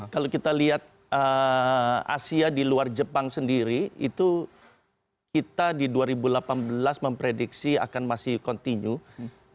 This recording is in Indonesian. kalau kita lihat asia di luar jepang sendiri itu kita di dua ribu delapan belas memprediksi akan masih continue